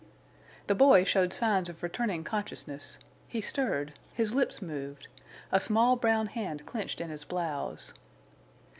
] The boy showed signs of returning consciousness. He stirred; his lips moved; a small brown hand clenched in his blouse.